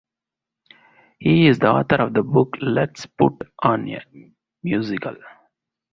He is the author of the books Let's Put on a Musical!